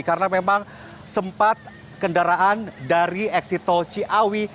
karena memang sempat kendaraan dari eksit tol ciawi